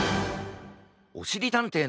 おしりたんていのじむ